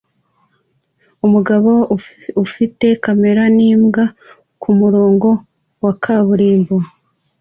Umugabo ufite kamera n'imbwa kumurongo wa kaburimbo